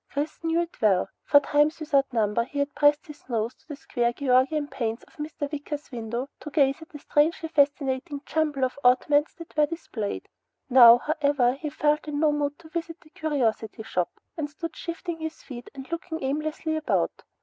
Chris knew it well, for times without number he had pressed his nose to the square Georgian panes of Mr. Wicker's window to gaze at the strangely fascinating jumble of oddments that were displayed. Now, however, he felt in no mood to visit the curiosity shop and stood shifting his feet and looking aimlessly about.